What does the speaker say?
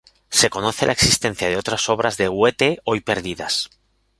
Se conoce la existencia de otras obras de Huete hoy perdidas.